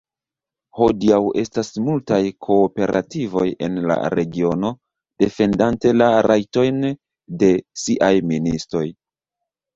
Hodiaŭ estas multaj kooperativoj en la regiono defendante la rajtojn de siaj ministoj.